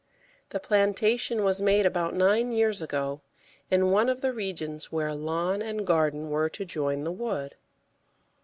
The plantation was made about nine years ago, in one of the regions where lawn and garden were to join the wood.